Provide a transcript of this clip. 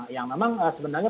yang memang sebenarnya